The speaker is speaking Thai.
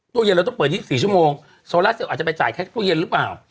เย็นเราต้องเปิด๒๔ชั่วโมงโซลาเซลอาจจะไปจ่ายแค่ตู้เย็นหรือเปล่า